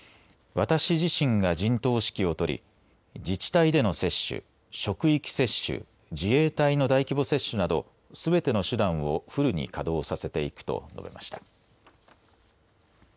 私自身が陣頭指揮を執り、自治体での接種、職域接種、自衛隊の大規模接種など、すべての手段をフルに稼働させていくと述べました。